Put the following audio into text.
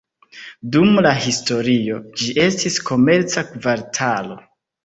Dum la historio ĝi estis komerca kvartalo.